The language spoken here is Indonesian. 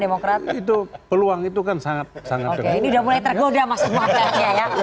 oke ini udah mulai tergoda mas buatanya ya